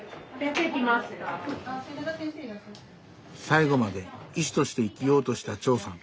最期まで医師として生きようとした長さん。